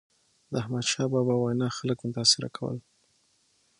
د احمدشاه بابا وینا خلک متاثره کول.